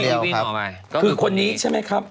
ทำไมคือคนนี้ใช่ไหมครับ